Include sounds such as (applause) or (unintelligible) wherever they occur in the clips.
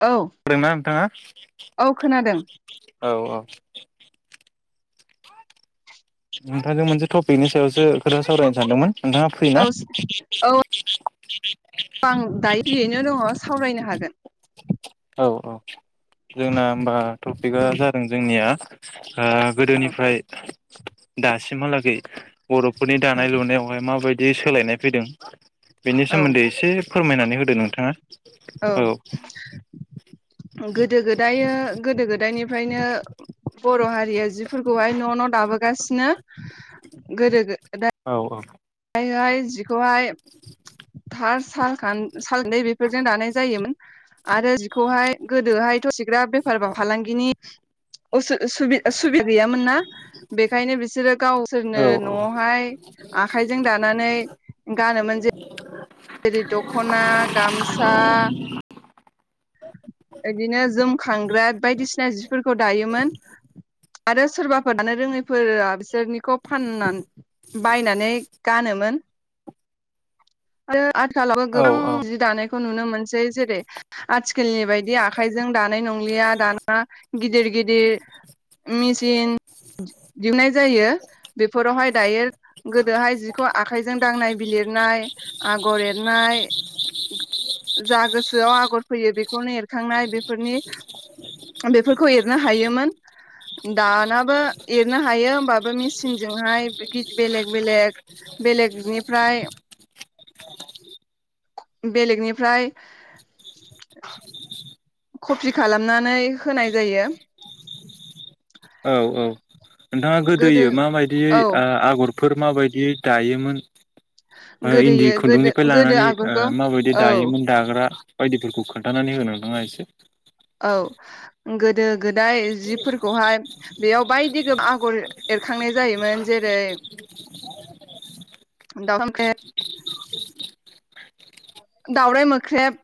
औ होदोंना नोंथाङा औ खोनादों औ औ नोंथांजों मोनसे टपिकनि सायावसो खोथा सावरायनो सानदोंमोन नोंथाङा औ फ्रिना अ आं दायो फ्रियैनो दङ सावरायनो हागोन औ औ जोंना होमबा टपिकआ उम जादों जोंनिया (unintelligible) आ औ गोदोनिफ्राय दासि म हालागै बर'फोरनि दानाय लुनायावहाय माबाय दि सोलायनाय फैदों बेनि औ सोमोन्दै एसे फोरमायनानै होदो नोंथाङा औ गोदो गोदायो गोदो गोदायनि फ्रायनो बर' हारिया जिफोरखौहाय न' न' दाबोगासिनो गोदो गो औ औ (unintelligible) जि खौहाय (unintelligible) सालखान सालदै बेफोरजों दानाय जायोमोन आरो जिखौहाय गोदोहायथ' सिग्रा बेफार बा फालांगिनि असु सुबि (unintelligible) गैयामोन ना बेखायनो बिसोरो गावसोरनो औ न'आवहाय आ खाइजों दानानै गानोमोन जे जेरै दख'ना गामसा बिदिनो जोमखांग्रा बायदिसिना जिफोरखौ दायोमोन आरो सोरबाफोर दानो रोङैफोरा बिसोरनिखौ फानना बायनानै गानोमोन आरो आथिखालावबो औ गोबां जि दानायखौ नुनो मोनसै जेरै आथिखालनि बायदि आखाइजों दानाय नंलिया दाना गिदिर गिदिर मेसिन दिहुननाय जायो बेफोरावहाय दायो गोदोहाय जिखौ आखाइजों दांनाय बिलिरनाय आगर एरनाय जा गोसोआव आगर फैयो बेखौनो एरखांनाय बेफोरनि बेफोरखौ एरनो हायोमोन। दानाबो एरनो हायो होमबाबो मेसिनजोंहाय बेलेग बेलेग बेलेगनिफ्राय (inaudible) कपि खालामनानै होनाय जायो। औ औ नोंथाङा गोदो गोदोयो माबायदियै औ आ आगर फोर माबायदियै दायोमोन ओ इन्दि गोदोयो गोदो खुन्दुंनिफ्राय गोदो लानानै ओ आगरखौ माबायदि औ दायोमोन दाग्रा बायदिफोरखौ खोन थानानै हो नोंथाङा एसे। औ गोदो गोदाय जिफोरखौहाय बेयाव बायदि (inaudible) आगर एरखांनाय जायोमोन जेरै (inaudible) दावराइ मोख्रेब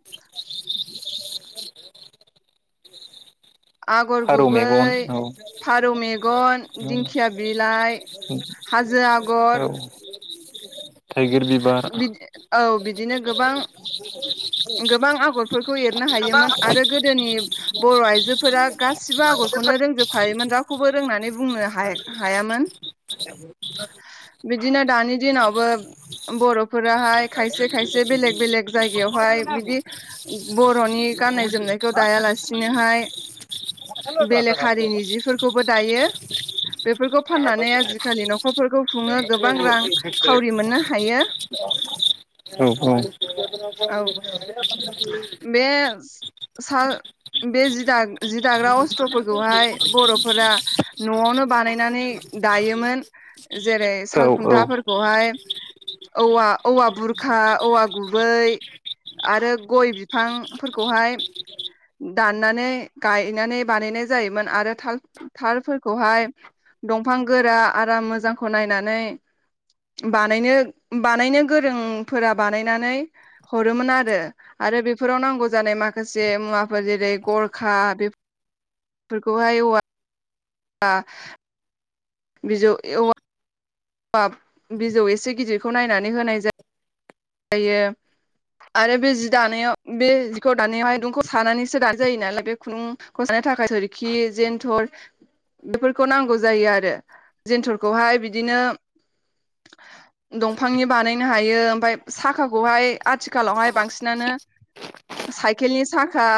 आगर फारौ गुबै, मेगन औ फारौ मेगन, दिंखिया बिलाइ, हाजो औ आगर थाइगिर बिबार दिनो गोबां गोबां आगर फोरखौ एरनो हायोमोन आरो गोदोनि बर' आइजो फोरा गासिबो आगरखौनो रोंजोब खायोमोन रावखौबो रोंनानै बुंनो हा-हायामोन बिदिनो दानि दिनावबो बर'फोराहाय खायसे खायसे बेलेग बेलेग जाय गायावहाय औ बिदि बर'नि गाननाय औ जोमनायखौ दायालासे बिदिनोहाय बेलेग औ औ हारिनि जिफोरखौबो दायो बेफोरखौ फाननानै आजिखालि न'खरफोरखौ खुङो गोबां रां खावरि मोननो हायो। औ औ औ बे साल बे जि दा जि दाग्रा अस्त्रफोरखौहाय बर'फोरा न'आवनो बानायनानै दायोमोन जेरै सालखुन्थाफोरखौहाय औवा औवा बुरखा औवा गुबै आरो गय बिफांफोरखौहाय दाननानै गायनानै बानायनाय जायोमोन आरो थाल थालफोरखौहाय दंफां गोरा आराम मोजांखौ नायनानै बानायनो बानायनो गोरोंफोरा बानायनानै हरोमोन आरो आरो बेफोराव नांगौ जानाय माखासे मुवाफोर जेरै गरखा बेफोरखौहाय औवा आ बिजौ एवआ बाब बिजौ एसे गिदिरखौ नायनानै होनाय जा जायो आरो बे जि दानायाव बे जिखौ दानायावहाय दुंखौ सानानैसो दानाय जायो नालाय बे खुन्दुंखौ सानो थाखाय सोरोरखि जेन्थर बेफोरखौ नांगौ जायो आरो जेन्थरखौहाय बिदिनो दंफांनि बानायनो हायो ओमफफ्राय साखाखौहाय आथिखालावहाय बांसिनानो साइकेलनि साखा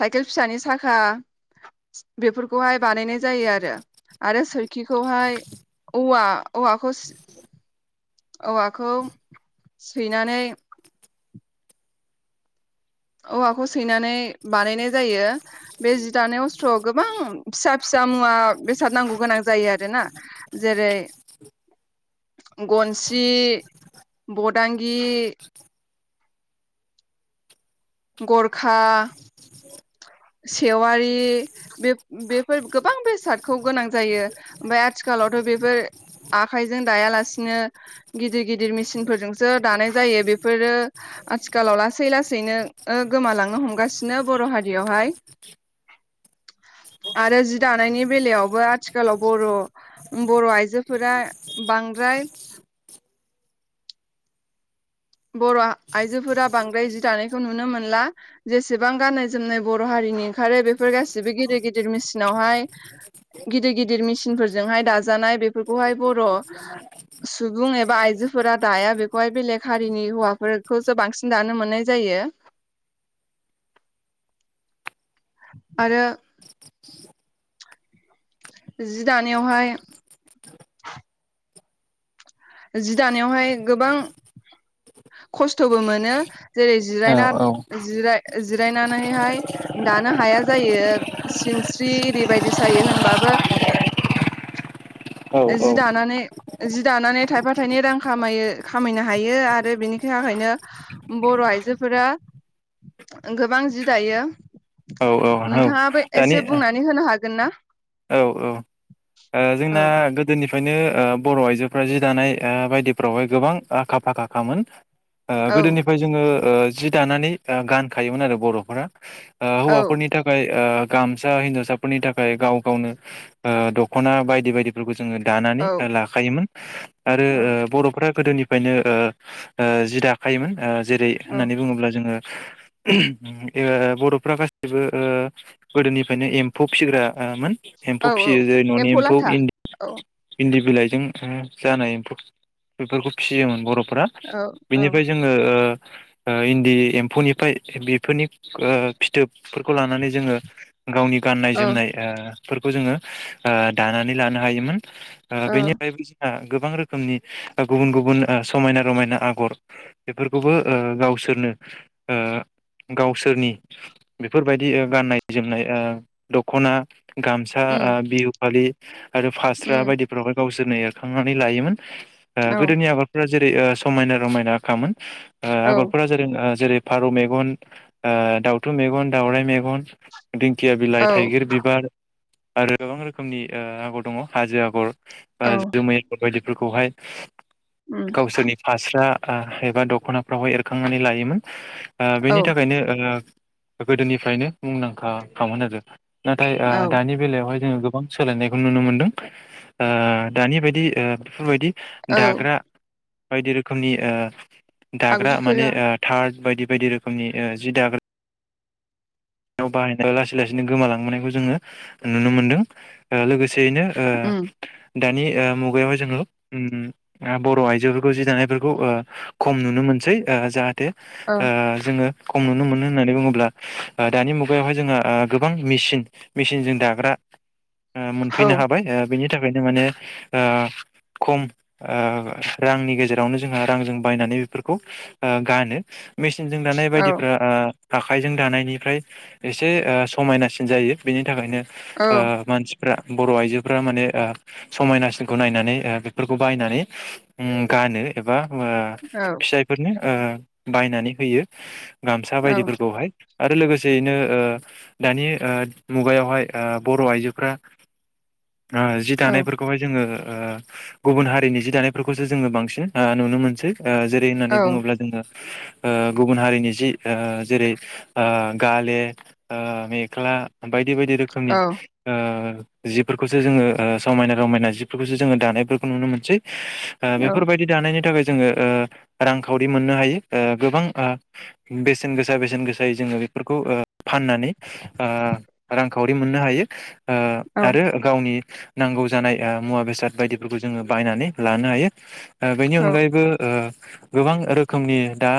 साइकेल फिसानि साखा बेफोरखौहाय बानायनाय जायो आरो आरो सोरखिखौहाय औवा औखौ औवाखौ सैनानै औवाखौ सैनानै बानायनाय जायो बे जि दानाय अस्थ्रआव गोबां फिसा फिसा मुवा बेसाद नांगौ गोनां जायो आरो ना जेरै गनसि बदांगि गरखा सेवारि बे बेफोर गोबां बेसादखौ गोनां जायो ओमफाय आथिखालावथ' बेफोर आखाइजों दायालासिनो गिदिर गिदिर मेसिनफोरजोंसो दानाय जायो बेफोरो आथिखालाव लासै लासैनो गोमालांनो हमगासिनो बर' हारियावहाय आरो जि दानायनि बेलायावबो आथिखालाव बर' बर' आइजोफोरा बांद्राय बर' आइजोफोरा बांद्राय जि दानायखौ नुनो मोनला जेसेबां गाननाय जोमनाय बर' हारिनि ओंखारो बेफोर गासिबो गिदिर गिदिर मेसिनावहाय गिदिर गिदिर मेसिनफोरजोंहाय दाजानाय बेफो खौहाय बर' सुबुं एबा आइजोफोरा दाया बेखौहाय बेले हारिनि हौवाफोरखौसो बांसिन दानो मोननाय जायो आरो जि दानायावहाय जि दानायावहाय गोबां खस्थ'बो मोनो जेरै जिरायना जिरा जिरायना नानैहाय दानो हाया जायो सिनस्रि एरैबायदि सायो होनबाबो जि औ दानानै जि दानानै थायफा थाइनै रां खामायो खामायनो हायो आरो बेनि थाखायनो बर' आइजोफोरा गोबां जि दायो औ औ औ नोंथाङा बो दानि एसे बुंनानै होनो हाग गोनना ओ जोंना गो गोदोनिफ्रायनो ओ बर' आइजोफ्रा जि दानाय ओ बायदिफ्रावहाय गोबां आखा फाखाखामोन ओ औ गोदोनिफ्राय जोङो ओ जि दानानै गानखायोमोन आरो बर'फोरा। ओ औ हौवाफोरनि थाखाय ओ। गामसा हिनजावसाफोरनि थाखाय गाव गावनो ओ द'। दख'ना बायदि बायदिफोरखौ। जोङो औ दानानै लाखायोमोन आरो औ बर'फोरा गोदोनिफ्रायनो ओ जि दाखायोमोन ओ जेरै औ होननानै बुङोब्ला जोङो। उम ओ बर'फ्रा गासैबो ओ गोदोनिफ्रायनो एम्फौ फिसिग्राओ मोन एम्फौ औ औ फिसियो जै एम्फौ लाथा औ इन्दि बिलाइजों जों जानाय एम्फौ बेफोरखौ फिसियोमोन बर' फोरा औ बिनिफ्राय जोङो ओ उ इन्दि एम्फौनिफ्राय उ बेफोरनि फिथोब खौ लानानै जोङो गावनि गाननाय आ औ जोमनाय ओ फोरखौ जोङो उ दानानै लानो हायोमोन। उ औ बेनिफ्राय बेसे थांडो गोबां रोखोमनि गुबुन गुबुन उ समायना रमायना आगर बेफोरखौबो उ गावसोरनो उ गावसोरनि बेफोरबायदि गाननाय जोमनाय उ दख'ना। गामसा उम उ बिहु बे आरो फास्रा उम बायदिफ्रावहाय गावसोरनो नो एरखांनानै लायोमोन। उ औ गोदोनि आबादफोरा जेरै उ समायना रमायना खामोन आ औ आगरफोरा आ जेरै जेरै फारौ मेगन उ दाउथु मेगन दावराइ मेगन दिंखिया बिलाइ औ थाइगिर बिबार आरो गोबां रोखोमनि। रोखोमनि आगर दङ हाजो आगर औ आ जोमै फोरखौहाय उम गावसोरनि फास्रा एबा दख'नाफ्रावाय एरखांनानै लायोमोन। आ औ बेनि थाखायनो। ओ गोदोनिफ्रायनो मुंदांखा खामोन आरो नाथाय आ औ दानि बेलायावहाय जों गोब बां सोलायनायखौ नुनो मोनदों ओ दानि बायदि ओ बेफोरबायदि औ दाग्रा बायदि रोखोमनि ओ दाग्रा माने आगजुफोरा ओ थारद बायदि बायदि रोखोमनि ओ जि दाग्रा आव बाहायनायखो लासै लासैनो गोमालांबोनायखौ जोङो नुनो मोनदों ओ लोगोस सेयैनो ओ उम दानि ओ मुगायावहाय जोङो उम उम आ बर' आइजोखो जि दानायफोरखौ ओ खम नुनो मोनसै ओ जाहाथे औ ओ जोङो खम नुनो मोनो होननानै बुङोब्ला ओ दानि मुगायावहाय ओ जोंहा गोबां मेसिन मेसिनजों दाग्रा ओ औ मोनफैनो हाबाय ओ बेनि थाखायनो माने ओ खम ओ रांनि गेजेरावनो जोंहा रांजों बायनानै बेफोरखौ ओ गानो मिस सिनजों दानाय औ बायदिफ्रा आ आखाइजों दानायनि ओमफ्राय एसे ओ समायनासिन जायो बेनि थाखायनो औ ओ मानसिफ्रा बर' आइजोफ्रा माने ओ समायनासिनखौ नायनानै ओ बेफोरखौ बायनानै उम गानो एबा औ (unintelligible) फिसाइफोरनि ओ बायनानै होयो गामसा औ बायदिफोरखौहाय आरो लोगोसेयैनो ओ दानि ओ मुगायावहाय ओ बर' आइजोफ्रा ओ जि औ दानायफोरखौहाय जोंङो ओ गुबुन हारिनि जि दानायफोरखौसो जोङो बांसिन ओ नुनो मोनसै ओ जेरै होननानै बुङोब्ला जोंङो ओ गुबुन हारिनि जि ओ जेरै ओ गाले ओ मेख्ला बायद दि बायदि रोखोमनि ओ जिफोरखौसो जोंङो ओ समायना- रमायना जिफोरखौसो जोंङो दानायफोरखौ नुनो मोनसै ओ औ बेफोरबायदि दानायनि थाखाय ज जोंङो ओ रांखावरि मोननो हायो ओ गोबां ओ बेसेन गोसा बेसेन गोस जाय जोंङो बेफोरखौ ओ फाननानै ओ रांखावरि मोननो हायो ओ औ आरो गावनि नांगौ जानाय ओ मुवा बेसाद बायदिफोरखौ जोङो बायनानै लानो हायो। ओ बेनि अनगायैबो ओ गोबां रोखोमनि दा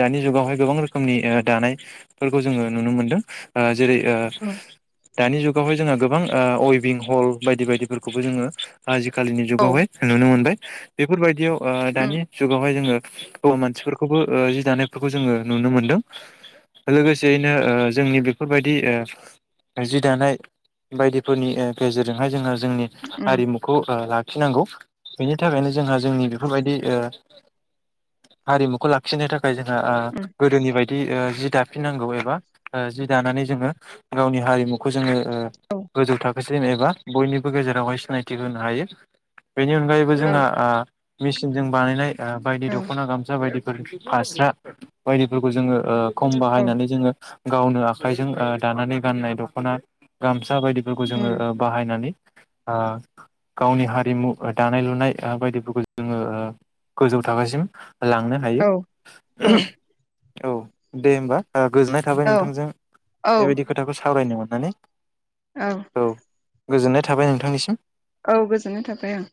दानि जुगावहाय गोबां रोखोमनि ओ दानाय फोरखौ जोंङो नुनो मोनदों। ओ जेरै ओ दानि जुगावहाय जोंहा गोबां ओ अइभिं हल बायदि बायदिफोरखौबो जोंङो आजिखालिनि जुगावहाय नुनो मोनबाय। बेफोरबायदियाव ओ उम दानि जुगावहाय जोंङो हौवा मानसिफोरखौबो ओ जि दानायफोरखौ जोंङो नुनो मोनदों। लोगोसेयैनो ओ जोंनि बेफोरबायदि ओ जि दानाय बायदिफोरनि ओ गेजेरजोंहाय जोंङो जोंनि उम हारिमुखौ ओ ला लाखिनांगौ। बेनि थाखायनो जोंहा जोंनि बे बेफोरबायदि ओ हारिमुखौ लाखिनो थाखाय जोंहा ओ उम गोदोनि बायदि बादि ओ जि दाफ फिननांगौ एबा जि दानानै जोङो गावनि हारिमुखौ जोङो ओ औ गोजौ थाख एसे एनै एबा बयनिबो गेजेरावहाय सिनायथि होनो हायो। बेनि अनगायैबो औ जोंहा आ मेसिनजों बानायनाय ओ बायदि औ दखना गामसा बायदि फोर फास्रा बायदिफोरखौ जोङो ओ क बायनानै जोङो गावनो आखाइजों ओ दानानै गाननाय दखना गामसा सा बायदिफोरखौ जोङो उम ओ बाहायनानै आ गावनि हारिमु दानाय लुनाय बायदिफोरखौ जोङो ओ गोजौ थाखोसिम लांनो औ हायो। ओहोम। औ दे होमबा। ओ गोजोननाय थाबाय नोंथांजों बेबायदि खोथाखौ सावरायनो मोन नानै। ओं। गोजोननाय थाबाय नोंथांनिसिम औ गोजोननाय थाबाय ओं